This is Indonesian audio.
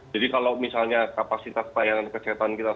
jadi kalau misalnya kapasitas pelayanan kesehatan kita seribu